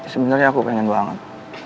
sebenarnya aku pengen banget